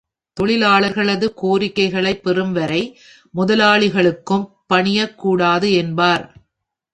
தொழிலாளர்களது கோரிக்கைகளைப் பெறும் வரை முதலாளிகளுக்குப் பணியக் கூடாது என்பார்.